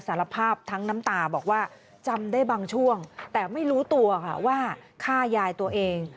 สารภาพทั้งน้ำตาบอกว่าจำได้บางช่วงแต่ไม่รู้ตัวค่ะว่าฆ่ายายตัวเอง